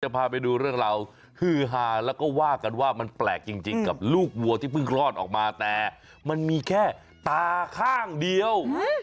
พาไปดูเรื่องราวฮือฮาแล้วก็ว่ากันว่ามันแปลกจริงกับลูกวัวที่เพิ่งคลอดออกมาแต่มันมีแค่ตาข้างเดียว